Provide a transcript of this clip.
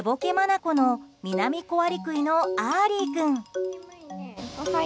眼のミナミコアリクイのアーリー君。